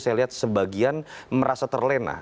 saya lihat sebagian merasa terlena